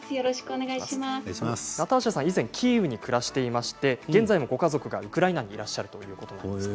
以前、キーウに暮らしていまして現在もご家族がウクライナにいらっしゃるということです。